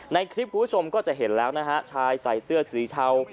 ในคลิปคุณผู้ชมก็จะเห็นแล้วนะฮะชายใส่เสื้อสีเทา